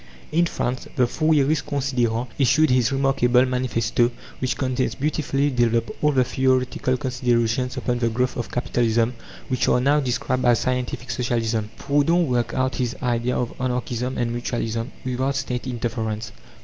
In France, the Fourierist Considérant issued his remarkable manifesto, which contains, beautifully developed, all the theoretical considerations upon the growth of Capitalism, which are now described as "Scientific Socialism." Proudhon worked out his idea of Anarchism and Mutualism, without State interference.